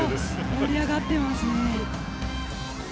盛り上がっていますね。